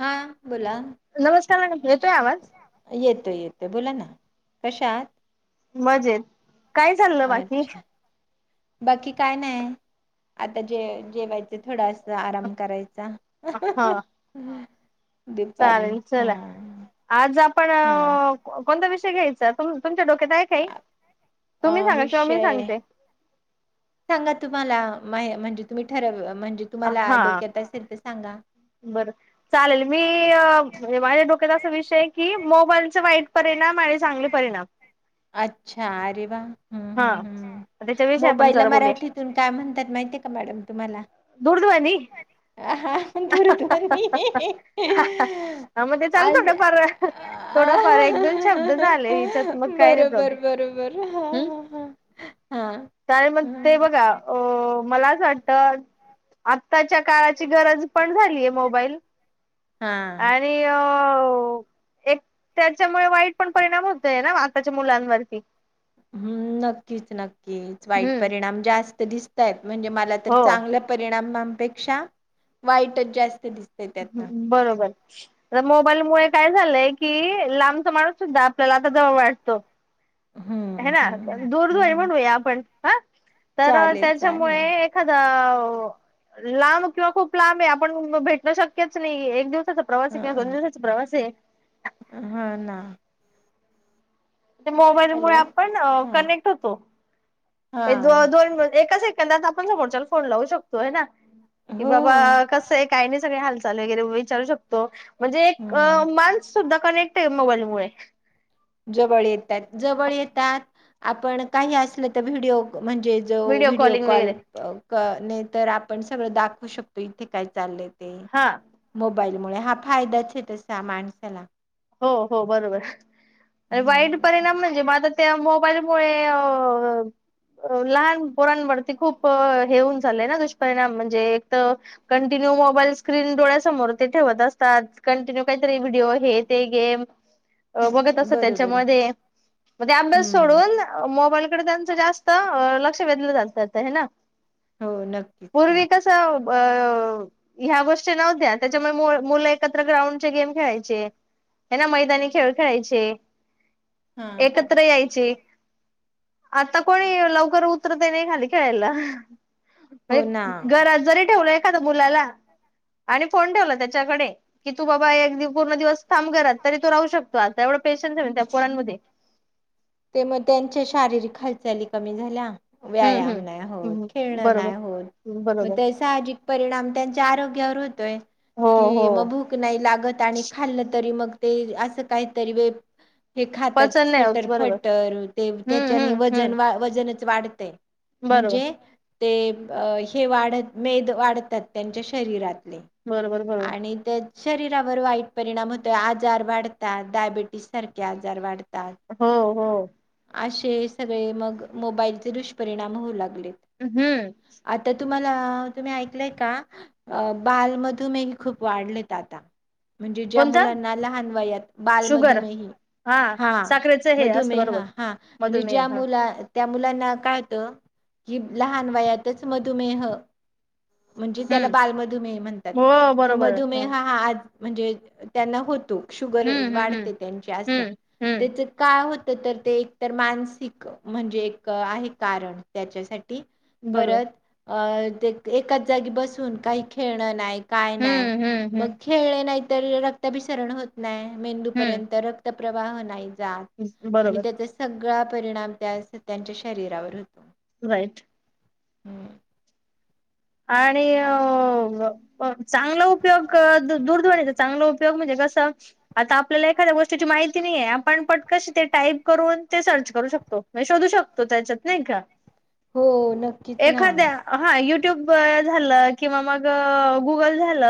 हा बोला नमस्कार मॅडम येतोय आवाज येतो - येतो. ताई बोला ना कशा आहात? मजेत. काय चाललं बाकी? अच्छा बाकी काय नाही आता जे - जेवायचं थोडं अस आराम करायचा. हा दुपारी हं. पण कोणतं विषय घ्यायचा तुम-तुमच्या डोक्यात आहे काही? तुम्ही सांगा किंवा मी विषय सांगते. सांगा तुम्हाला माया म्हणजे तुम्ही ठरव म्हणजे तुम्हाला हा डोक्यात असेल तर सांगा बर चालेल मी अ म्हणजे माया डोक्यात असा विषय आहे की मोबाईलच वाईट परिणाम आणि चांगले परिणाम. अच्छा अरे वा. हम्म हा हम्म हम्म, त्याच्याविषयी आपण मोबाईला जरा बोलूया मराठीतून काय म्हणतात माहितीय का मॅडम तुम्हाला? दूरध्वनी आ हा दूरध्वनी हा मग ते चाल आज थोडंफार थोडाफार एक दोन शब्द झाले हिच्यात मग [unintelligible] काय नाही प्रभू बरोबर बरोबर. हम् हा हा का मग हा हा ते बघा अ मलाच वाटतं आत्ताच्या काळाची गरज पण झालीय मोबाईल. हा आणि अ एक त्याच्यामुळे वाईट पण परिणाम होतोय ना आताच्या मुलांवरती. हम्म नक्कीच नक्की कीच वाईट हम्म परिणाम जास् त दिसतात. म्हणजे मला तर हो चांगला परिणाम पेक्षा वाईटच जास् बरोबर मोबाईल मुळे काय झालंय की लांब ण सुद्धा आपल्याला आता जवळ वाटतो.. ह हम्म ना हम्म दूरध्वनी हम्म म्हणूया आपण हा तर चालेल त्याच्यामुळे चालेल एखादा. हो लांब किंवा खूप लांब आहे आपण भेटण शक्यच नाही एक दिवस हा प्रवासीो दिवसातच प्रवासी. हा ना ते मोबाईल मु हॅलो आपण हा कनेक्ट होतो. हा दोन एका सेकंदात आपण समोरच्या फोन लावू शकतो. तो आहे ना कि हो बाबा कसं आहे काही नाही सगळे हालत वगैरे विचारू शकतो म्हणजे एक हम्म मानस सुद्धा कनेक्ट आहे मोबाईल होय जवळ येतात जवळ येतात आपण काही असल तर व्हिडिओ म्हणजे जो व्हिडिओ कॉलिंग कॉल वगैरे कणे तर आप.. पण सगळं दाखव शकतो इथे काय चाललंय.. ते हा मोबाईलमुळे हा फायदाच आहे तसा माणसाला हो हो बरोबर वाईट हम्म परिणाम म्हणजे मग आता त्या मोबाईल मु लहान पोरांवरती खूप हे होऊन झालंय ना दुष्पिणाम म्हणजे एक तर कंटिन्यू मोबाईल स्क्रीन डोळ्यासमोर ते ठेवत असतात कंटिन्यू काहीतरी व्हिडिओ आहेत. ते ग बघत असत बरोबर त्याच्यामध्ये मग ते अभ्यास हम्म सोडून मोबाईलकडे जास्त लक्ष वेधलं जात ना हो नक्कीच पूर्वी नक्की कस अ ह्या गोष्टी नव्हत्या त्याच्यामुळे मुलं एकत्र ग्राउंडचे गेम खेळायचे हाय ना, मैदानी खेळ खेळायचे हा एकत्र यायचे आता कोणी लवकर उतरता नाही खाली खेळायला हो ना घरात जरी ठेवलंय मुलाला आणि फोन ठेवला त्याच्याकडे की तू बाबा एक पूर्ण दिवस थांब घरात, तो राहू शकतो आता एवढं पेशन्स आहे त्या पोरांमध्ये ते मग त्यांच्या शारीरिक हालचाली कमी झाल्या हम्म व्यायाम हम्म नाही होत, हम्म खेळणं बरोबर नाही होत, मग बरोबर ते साहजिक परिणाम त्यांच्या आरोग्यावर होतोय, हो हो कि मग भूक नाही लागत, आणि खाल्लं तरी मग ते असं काहीतरी वेप हे खातात पचन नाही होत बरोबर सटरफट हम्म त्याच्या ने हम्म हम्म वजन वाढते वजनच वाढते बरोबर म्हणजे ते हे वाढत मेद वाढतात त्यांच्या शरीरात बरोबर बरोबर आणि त्यात शरीरावर वाईट परिणाम होतोय, आजार वाढतात, डायबिटीस सारखे आजार वाढ हो-हो असे सगळे मग मोबाईलचे दुष्परिणाम होऊ लागते हम्म तुम्हाला तुम्ही ऐकलंय का बाल मधुमेही खूप वाढलेत आता म्हणजे ज्या कोणता मुलांना लहान वयात शुगर बालमधुमेही हा साखरेचं हे असतं मधुमेह बरोबर हा म्हणजे मधुमेह ज्या हा मुला त्या मुलांना काय होत, कि लहान वयातच मधुमेह म्हणजे त्याला हम्म बालमधुमेह म्हणतात हो की बरोबर मधुमेह हा म्हणजे त्यांना होतो शुगर हम्म हम्म हम्म वाढते त्यांची अस हम्म त्याच हम्म होत तर ते एक तर मानसिक म्हणजे एक आहे कारण त्याच्यासाठी ते, बरोबर परत.... अ ते एकाच जागी बसून काही खेळणं नाही काय नाही हम्म हम्म मग खेळले नाहीत तर रक्तभिसरण होत नाही. हम्म मेंदूपर्यंत रक्त प्रभाह नाही जा. हम्म आणि बरोबर त्याचा सगळा. परिणाम त्या त्यांच्या शरीरावर होते. राईट आणि अ चांगला उपयोग दूरध्वनीचा चांगला उपयोग म्हणजे कस आता आपल्याला एखाद्या गोष्टीची माहिती नाही आहे आपण पट कशी ते टाईप करून ते सर्च करू शकतोे शोधू शकतो त्याच्यात नाही का हो नक्कीच ना. झाल किं मग गुगल झाल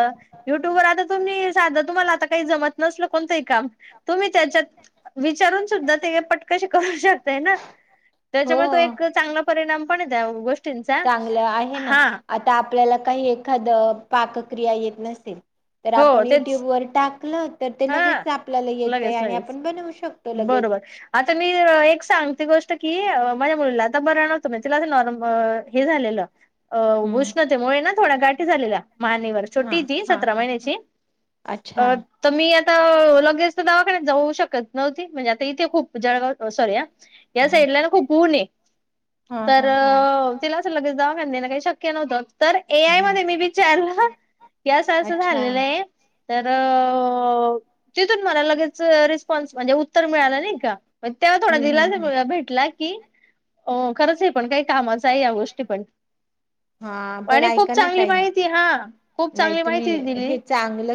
युट्यूब वर आता तुम्ही साध तुम्हाला आता काही जमत नसल कोणतंही काम तुम्ही त्याच्यात विचारून सुद्धा पटकशी करू शकता. ते ना त्याच्यामुळे तो हो. एक चांगला परिणाम. ण द गोष्ट [unintelligible] नचा चांगलं आहे आता आपल्याला काही एखाद पाक क्रिया येत नसतील तर हो आपण युट्यूब तेच वर टाक हा लगेच आणि लगेच आपण बनवू शकतो लगेच बरोबर आता मी एक सांगते गोष्ट की माझ्या मुलीला आता बरं नव्हतं म्ह तिला नॉर्म हे झालेलं अ हम्म. भुषणते मु ना थोडा गाठी झालेल्या माहानेवर हा छोटी ती हा सतरा हा महिन्याची अच्छा अ मी आता लगेच तर दावाखान्यात जाऊ शकत नव्हती म्हणजे आता इथे खूप जळगाव सॉरी या हा साईडला ना खूप ऊन आहे हा तर हा हा तिला असं लगेचदा पे ना काही शक्या ना उ द तर ए आय हम्म मध्ये मी विचारलं यासं अच्छा झालेलं आहे तार तथून म लगेच रिस्पन्स म्हणजे उत्तर मिळाला नाही का तेव्हा थोडा हम्म हम्म हम्म दिलासा भेटला की हो खरंच आहे पण काही कामाचं आहे या गोष्टी पण हा पण आणि खूप ऐका ना चांगली ताई माहिती हा खूप नाही चांगली माहिती तुम्ही दिली हे चांग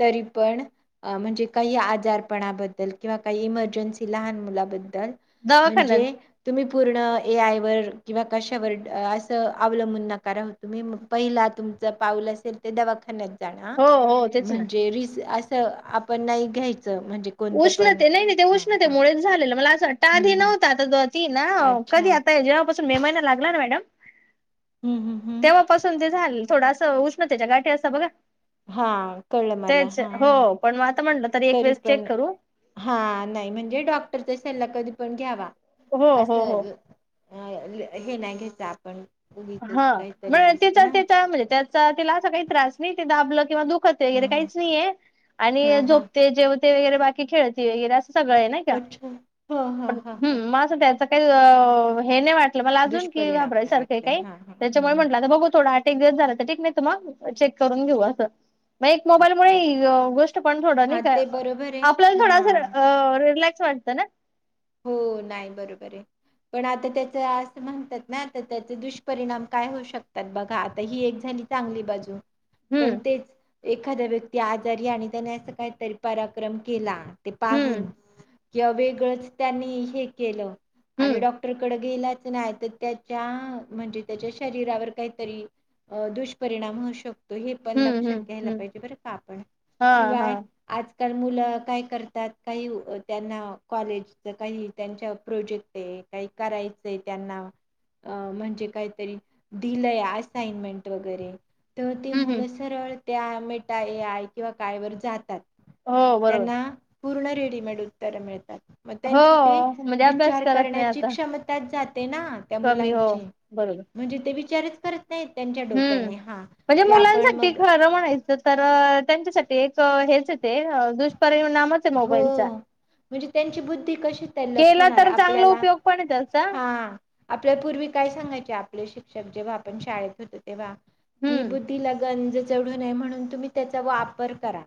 त पण म्हणज का इम लब म्हणजे दवाखान्यात तुम् पूर्ण ए आय व किंवा कशावर असं अवलंबून नकारव तुम्ही पहिला तुमचं पाऊल असेल ते दवाखान्यात हो हो तेच ना म्हणेजे आपण नाही घ्यायच उष्णते नाही नाही ते उष्णते हा मुच झालेलं मला असं वाटतं हम्म आधी हम्म नव्हता आता ती ना अच्छा कधी आता जेव्हापासून मे महिना लागला ना मॅडम हम्म हम्म हम्म तेव्हापासून ते झाले थोडा उष्णतेच्या गाठी असा बघा हा कळलं मला तेच हा हो हा पण मग आता म्हटलं तरी एकस पण हा नाही म्हणजे डॉक्टर कधी पण घ्यावा हो हो हो असं अ हे नाही घ्यायचं आपण उगीचच हा म काहीतरी रिस्क तिचा ना तिचा म्हणजे त्याचा तिला असं काही त्रास नाही ते दाबल किंवा दु- खतय वैगैरे हम्म. काहीच नाहीे हा आणि हा झोपते जेव तेय वगैरे बाकी खेळती वगैरे असं. सगळं आहे नाही अच्छा हा हा पण हा हा मग त्याचा काही हे नाही वाटत. मला अजून की दुष्परिणाम घाबराय नाही सारख वाटले काही हा हा हा त्याच्यामुळे हा म्हटलं आता बघू थोड आठ एक दिवस झाला तर ठीक नाही त मग चेक करून घेऊ असं. मग एक मोबाईल अच्छा मुळे गोष्ट पण थोड हा नाही का ते बरोबर आहे आपल्याला हा थोडं असं रिल्याक्स वाटत ना. हो नाही बरोबर आहे. पण आता त्याच असं म्हणतात ना आता त्याचे दुष्परिणाम काय होऊ शकतात बघा. आता ही एक झाली चांगली बाजू हम्म पण तेच एखाद्या व्यक्ती आजारी आणि त्याने असा काहीतरी पराक्रम केला. ते पाहून हम्म या वेगळंच त्यांनी हे केलं आणि हम्म डॉक्टरकडे गेला. त्याच्या म्हणजे त्याच्या शरीरावर काहीतरी दुष्परिणाम होऊ शकतो. तो हे पण हम्म लक्षात हम्म घ्यायला हम्म पाहिजे बरं का आपण हा हा शिवाय आज तर मुलं काय करतात काही त्यांना कॉलेज काही त्यांच्या प्रोजेक्ट आहे काही करायचंय त्यांना म्हणजे काहीतरी दिलंय असायन्टमेंट वगैरे तर ते हम्म हम्म मुलं सरळ त्या मेटा, एआय किंवा काय वर जातात. हो बरोबर त्यांना पूर्ण रेडिमेट उत्तर मिळतात. मग त्यांची ते हो म्हणजे अभ्यास विचार करत नाही करण्याची आता क्षमता जाते. ना त्या कमी हो मुलांची बरोबर म्हणजे ते वि चार रच करत नाहीत त्यांच्या हम्म डोक्याने हा म्हणजे की आपण मुलांसाठी मग खरं म्हणायचं तर, त्यांच्यासाठी एक हेच आहे ते दुष्परि परिणामच हो म्हणजे त्यांची बुद्धी कशी तल्लक केला होणार तर चांगला आपल्याला उपयोग पण आहे त्याचा हा आपल्यापूर्वी काय सांगायचे आपले शिक्षक जेव्हा आपण शाळेत होतो तेव्हा, की हम्म. बूद्धीला गंज चडू नये म्हणून तुम्ही त्याचा वापर करा.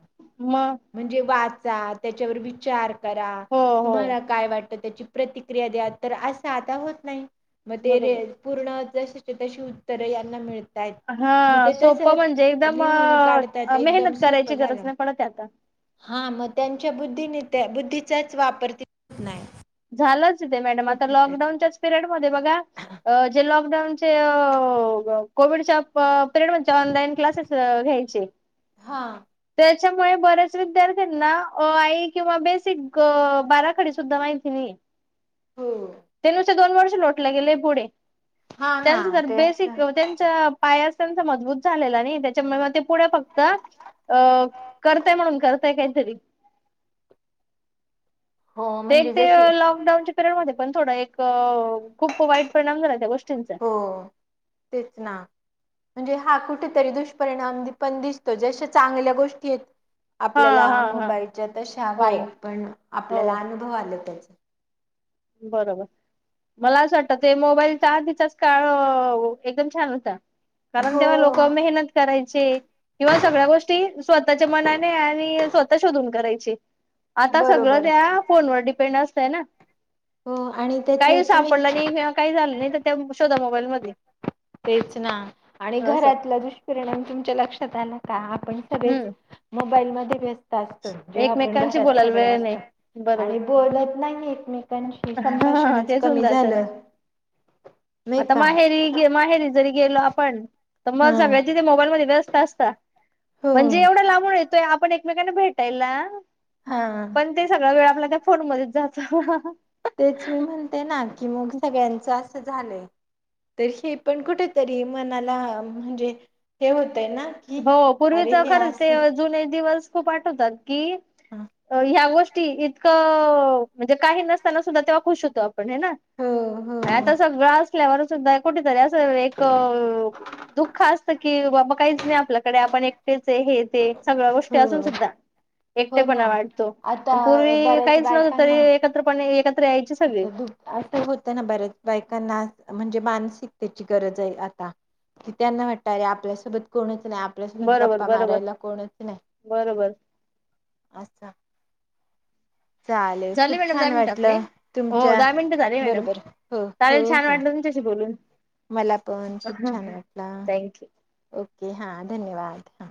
मग म्हणजे वाच - - त्याच्यावर विचार - - करा हो हो तुम्हाला काय वाट - - तर त्याची प्रतिक्रिया द्या. तर असं आता होत नाही. म ते रे बरोबर. पूर्ण - - ज तशी उत्तरे यांना मिळते - - हा सोपं म्हणजे एकदम लिहून काढतात एकदम मेहनत सोपं करायची गरज झालं नाही. त्या आता- - हा मग त्यांच्या बुद्धीने त्या बुद्धीचाच वापरत नाही. ह मम कुठ तर लकडाऊनच्याचं पिरेड - - ते बघा जे लॉकडाऊन चे - - कोविडच्या प - - [unintelligible] ऑनलाईन क्लासेस घ्यायचे हा तेच - - त्यामुळे बऱ्याच विद्यार्थ्यांना अ आई किंवा बेसिक बाराखडी सुधा माहि - - ती हो त्यानुसत दोन वर्ष लोटग गेलं पुढे- - हा ना त्यांच तर तेच तर बेसिक त्यांच्या - - पायाच त्यांचा मजबूत झालेला नाही त्याच्यामुळे मग ते पुढे फक्त अ करतय म्हणून करतय काहीतरी- - हो ते म्हणजे ते जशी लॉकडाऊनच्या पिरियड मध्ये पण थोडं एक - - क खूप वाईट परिणाम झाला त्या गोष्टींचा. हो तेच ना म्हणजे हा कुठेतरी दुष्परिणाम पण दिसतो जश चांगल्या गोष्टी आहेत. हा आपल्याला हा हा मोबाईलच्या तशा हो वाईट पण हो आपल्याला अनुभव आलेत त्याचे - - बरोबर मला असं वाटत ते मोबाईलच्या आधीचाच काळ - - एकदम छान होता. कारण तेव्हा हो लोक मेहनत करायचे किंवा सगळ्या गोष्टी स्वतःच्या मनाने आणि स्व - - शोधून करायचे. आता सगळं बरोबर त्या फोनवर डिपेंड असत. चं हेना. हो आणि त्याच काही तुम्ही सापडलं नाही काही झालं नाही तर त्या - - शोधा मोबाईलमध्ये - - तेच ना आणि घरातला दुष्परिणाम तुमच्या लक्षात आला. का ह. पण सगळेच हम्म मग - - मोबाईल मध्येे व्यस्त. असत जेव्हा आपण एकमेकांशी घरात बोलायला सगळे वेळ नाही असतो बरोबर आणि बोलत नाही एकमेकांशी हा संभाषणच तेच होऊन कमी जात ना झालं नाय आता का माहेरी माहेरी जरी गेलो आपण. तर हा मग सगायचीथे मोबाईलमध्ये वस्त्य. तसता हो म्हणजे एवढा लांबून येत आपण एकमेकांना भेट टायला. हा पण ते सगळा वेळ आपल्या फोन मध्ये जा तेच मी म्हणते ना की मग सगळ्यांच झालंय तर हे पण कुठेतरी मनाला म्हणजे हे होत हो पूर्वीच खरंच ते जुनेच दिवस खूप आठवतात कि ह्या गोष्टी इतकं म्हणजे काही नसताना सुद्धा तेव्हा खुश होतो. पण आहे ना हो हो आता सगळा अस कुठतरी आस एक दुःख असत की बाबा कायच नाही आपल्याकडे आपण एकटेच हे ते सगळ गोष्टी हो असून सुद्धा हो ना एकटेपणा वाटतो आता पण पूर्वी काहीच नव्हत तरी एकत्रपणे यायचे सगळे दुःख असं होतं ना बऱ्याच बायकांना म्हणजे मानसिकतेची गरज आहे आता की त्यांना वाटलय आता आपल्या सोबत कोणच नाही आपल्यासोबत बरोबर गप्पा बरोबर मारायला कोणच नाही बरोबर असं चालेल खूप झाले मॅडम दहा छान मिनिट आपले वाटलं हो तुमच्या दहा मिनिटं झाले मॅडम बरोबर हो हो चालेल छान हो वाटलं तुमच्याशी बोलून मला पण खूप छान वाटला थँक्यू ओके हा धन्यवाद. हां